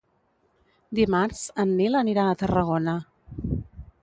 Dimarts en Nil anirà a Tarragona.